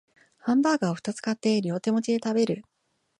ハンバーガーをふたつ買って両手持ちで食べる